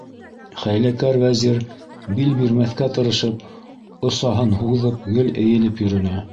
Хәйләкәр Вәзир, бил бирмәҫкә тырышып, осаһын һуҙып, гел эйелеп йөрөнө.